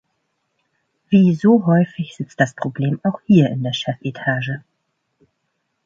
Wie so häufig sitzt das Problem auch hier in der Chefetage.